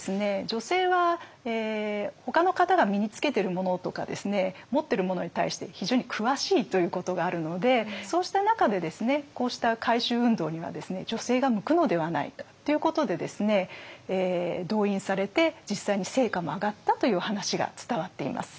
女性はほかの方が身につけてるものとか持ってるものに対して非常に詳しいということがあるのでそうした中でこうした回収運動には女性が向くのではないかということで動員されて実際に成果も上がったという話が伝わっています。